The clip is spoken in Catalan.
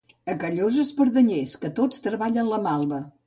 A Callosa, espardenyers, que tots treballen la malva.